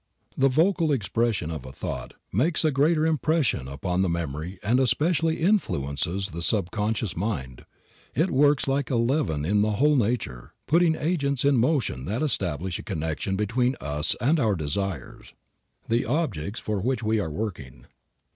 The vocal expression of a thought makes a greater impression upon the memory and especially influences the subconscious mind. It works like a leaven in the whole nature, putting agents in motion that establish a connection between us and our desires, the objects for which we are working.